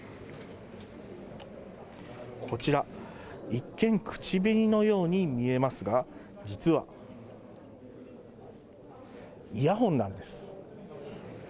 こちら、一見、口紅のように見えますが、実はイヤホンなんです。